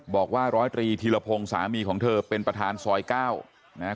บอกว่าร้อยตรีธีรพงศ์สามีของเธอเป็นประธานซอย๙นะครับ